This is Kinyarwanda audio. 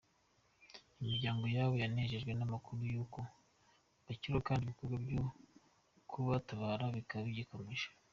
Imiryango yabo yanejejwe n’amakuru y’uko bakiriho kandi ibikorwa byo kubatabara bikaba bigikomeje.